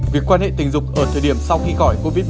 việc quan hệ tình dục ở thời điểm sau khi khỏi covid một mươi chín